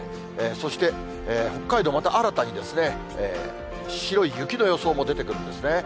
そして北海道、また新たに白い雪の予想も出てくるんですね。